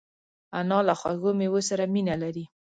انا له خوږو مېوو سره مینه لري